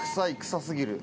草すぎる！！」